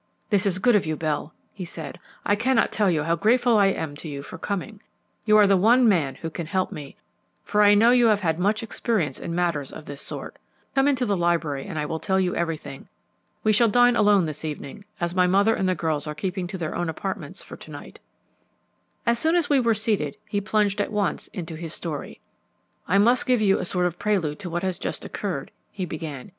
"This is good of you, Bell," he said. "I cannot tell you how grateful I am to you for coming. You are the one man who can help me, for I know you have had much experience in matters of this sort. Come into the library and I will tell you everything. We shall dine alone this evening, as my mother and the girls are keeping to their own apartments for to night." As soon as we were seated, he plunged at once into his story. "I must give you a sort of prelude to what has just occurred," he began.